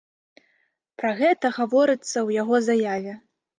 Пра гэта гаворыцца ў яго заяве.